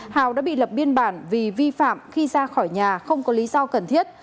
hào đã bị lập biên bản vì vi phạm khi ra khỏi nhà không có lý do cần thiết